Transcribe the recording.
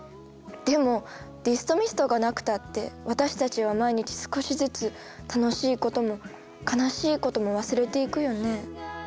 でもディストミストがなくたって私たちは毎日少しずつ楽しいことも悲しいことも忘れていくよね